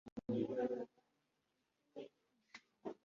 Economics or procurement related fields